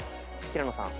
平野さん。